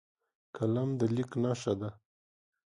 قلم د لیک نښه ده